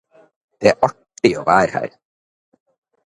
Det er gøy å være her.